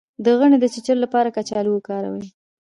د غڼې د چیچلو لپاره کچالو وکاروئ